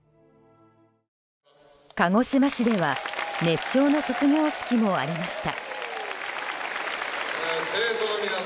鹿児島市では熱唱の卒業式もありました。